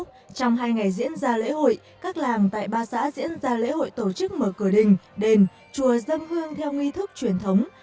trong hai ngày diễn ra lễ hội các làng tại ba xã diễn ra lễ hội tổ chức mở cửa đình đền chùa dân hương theo nghi thức truyền thống